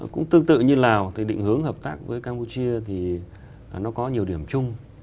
cũng tương tự như lào thì định hướng hợp tác với campuchia thì nó có nhiều điểm chung